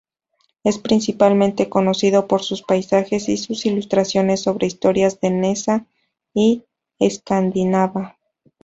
Es principalmente conocido por sus paisajes y sus ilustraciones sobre historia danesa y escandinava.